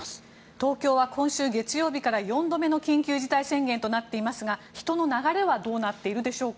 東京は今週月曜日から４度目の緊急事態宣言となっていますが人の流れはどうなっているでしょうか。